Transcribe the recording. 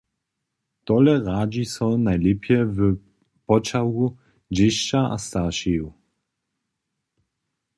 Tole radźi so najlěpje w poćahu dźěsća a staršeju.